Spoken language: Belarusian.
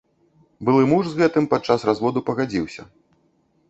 Былы муж з гэтым падчас разводу пагадзіўся.